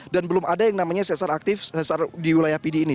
dan belum ada yang namanya sesar aktif di wilayah pidi ini